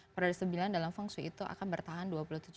periode sembilan dalam feng shui itu akan bertahan dua puluh tujuh